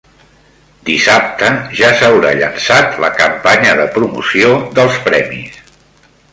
Dissabte ja s'haurà llançat la campanya de promoció dels premis.